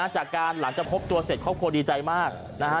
จากการหลานจะพบตัวเสร็จเค้าโคตรดีใจมากนะฮะ